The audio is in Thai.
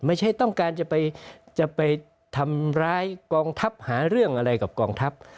ไม่ใช่ต้องการจะไปทำร้ายกองทัพหาเรื่องอะไรกับกองทัพ